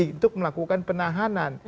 untuk melakukan penahanan